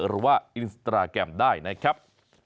หรือว่าอินสตราแกรมได้นะครับ